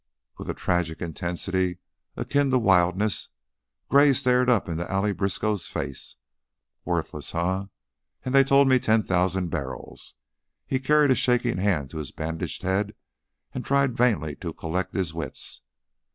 With a tragic intensity akin to wildness, Gray stared up into Allie Briskow's face. "Worthless, eh? And they told me ten thousand barrels." He carried a shaking hand to his bandaged head and tried vainly to collect his wits.